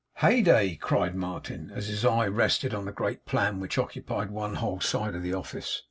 'Heyday!' cried Martin, as his eye rested on a great plan which occupied one whole side of the office.